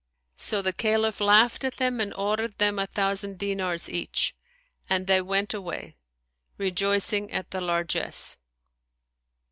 So the Caliph laughed at them and ordered them a thousand dinars each, and they went away, rejoicing at the largesse.